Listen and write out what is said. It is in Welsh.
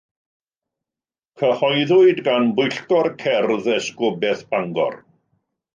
Cyhoeddwyd gan Bwyllgor Cerdd Esgobaeth Bangor.